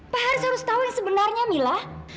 pak haris harus tahu nih sebenarnya mila